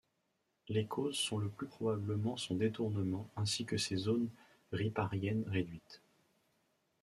Les causes sont le plus probablement son détournement ainsi que ses zones ripariennes réduites.